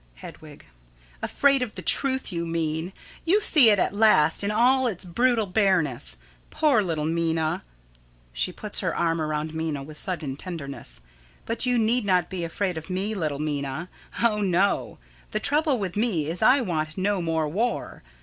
Hedwig: Afraid of the truth, you mean. You see it at last in all its brutal bareness. Poor little Minna! [She puts her arm around Minna with sudden tenderness.] But you need not be afraid of me, little Minna. Oh, no. The trouble with me is I want no more war.